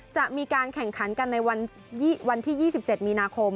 จะมีการแข่งขันกันในวันที่๒๗มีนาคม